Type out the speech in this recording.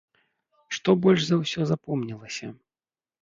Што больш за ўсё запомнілася?